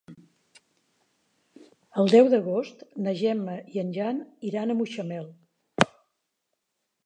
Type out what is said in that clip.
El deu d'agost na Gemma i en Jan iran a Mutxamel.